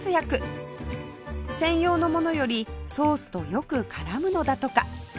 専用のものよりソースとよく絡むのだとか